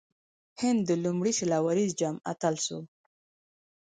هند د لومړي شل اووريز جام اتل سو.